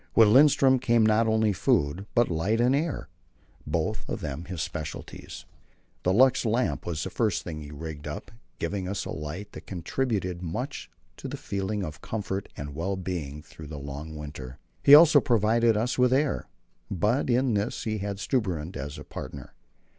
With Lindström came not only food, but light and air both of them his specialities. The Lux lamp was the first thing he rigged up, giving us a light that contributed much to the feeling of comfort and well being through the long winter. He also provided us with air, but in this he had Stubberud as a partner.